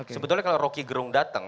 sebetulnya kalau rocky gerung datang